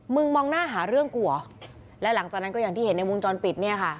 มองหน้าหาเรื่องกูเหรอและหลังจากนั้นก็อย่างที่เห็นในวงจรปิดเนี่ยค่ะ